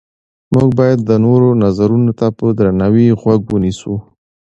موږ باید د نورو نظرونو ته په درناوي غوږ ونیسو